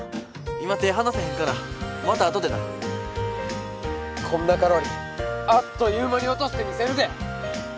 今手離せへんからまたあとでなこんなカロリーあっという間に落としてみせるで！